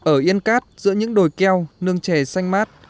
ở yên cát giữa những đồi keo nương chè xanh mát